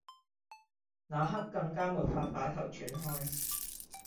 那刻更加沒法把頭轉開